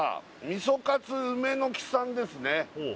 みそかつ梅の木さんですね